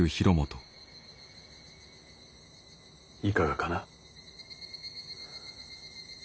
いかがかな。